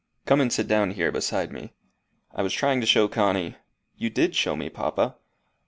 Come and sit down here beside me. I was trying to show Connie " "You did show me, papa."